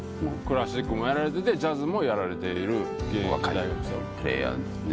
クラシックもやられててジャズもやられている現役大学生。